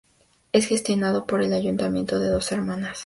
Es gestionado por el Ayuntamiento de Dos Hermanas.